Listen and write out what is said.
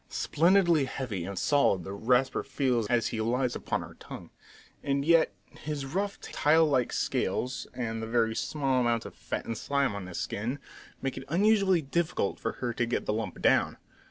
Splendidly heavy and solid the Rasper feels as he lies upon her tongue! And yet his rough, tile like scales, and the very small amount of fat and slime on his skin, make it unusually difficult for her to get the lump down.